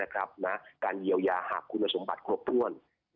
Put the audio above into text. การเยียวยาหากคุณสมบัติครบถ้วน